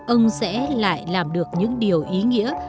ông sẽ lại làm được những điều ý nghĩa